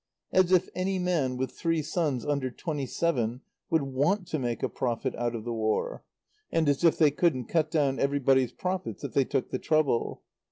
As if any man with three sons under twenty seven would want to make a profit out of the War; and as if they couldn't cut down everybody's profits if they took the trouble.